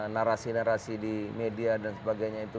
narasi narasi di media dan sebagainya itu